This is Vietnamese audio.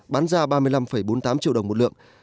bán ra ba mươi năm bốn mươi tám triệu đồng một lượng